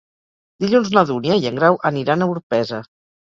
Dilluns na Dúnia i en Grau aniran a Orpesa.